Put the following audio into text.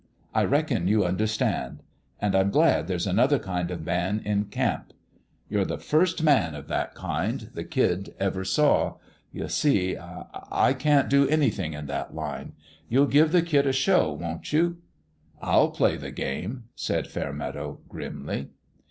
I reckon you understand. And I'm glad there's another kind of man in camp. You're the first man of that kind the kid ever saw. You see, I I can't do anything in that line. You'll give the kid a show, won't you?" " I'll play the game," said Fairmeadow, grimly.